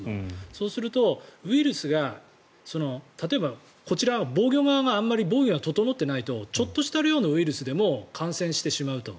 そうするとウイルスが例えば、こちらは防御側が防御が整ってないとちょっとした量のウイルスでも感染してしまうと。